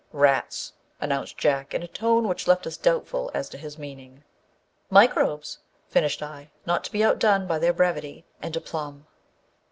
Eats/' announced Jack, in a tone which left us doubtful as to his meaning. " Microbes/' finished I, not to be outdone by their brevity and aplomb.